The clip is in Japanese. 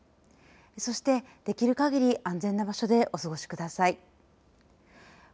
そしてできるかぎり安全な場所でお過ごしください。